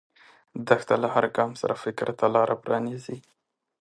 دښته له هر ګام سره فکر ته لاره پرانیزي.